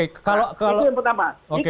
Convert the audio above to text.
itu yang pertama